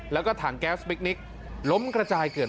แล้วก็ถังแก๊สพิคนิคล้มกระจายเกิด